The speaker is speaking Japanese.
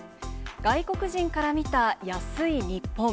外国人から見た、安い日本。